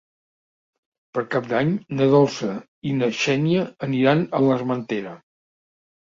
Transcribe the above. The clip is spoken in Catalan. Per Cap d'Any na Dolça i na Xènia aniran a l'Armentera.